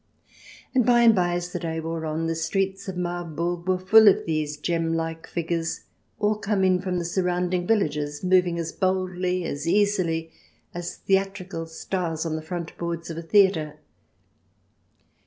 And by and by, as the day wore on, the streets of Marburg were full of these gem like figures, all come in from the surrounding villages, moving as boldly, as easily, as theatrical stars on the front boards of a theatre.